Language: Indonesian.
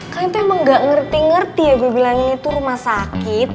kalian tuh emang gak ngerti ngerti ya gue bilang ini tuh rumah sakit